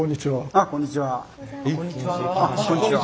あっこんにちは。